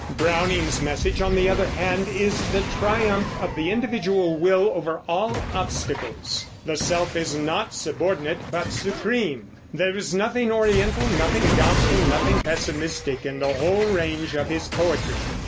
Browning's message, on the other hand, is the triumph of the individual will over all obstacles; the self is not subordinate but supreme. There is nothing Oriental, nothing doubtful, nothing pessimistic in the whole range of his poetry.